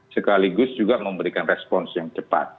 sekaligus juga memberikan respons yang cepat